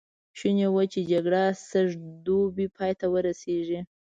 شوني وه چې جګړه سږ دوبی پای ته ورسېږي.